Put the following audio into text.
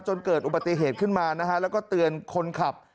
จนเกิดอุบัติเหตุขึ้นมานะฮะแล้วก็เตือนคนขับ